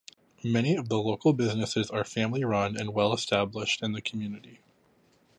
Many of the local businesses are family-run and well-established in the community.